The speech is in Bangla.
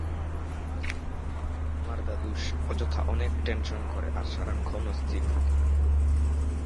আমার দাদু অযথা অনেক টেনশন করে আর সারাক্ষণ অস্থির থাকে।